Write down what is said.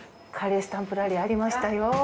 カレースタンプラリーありましたよ。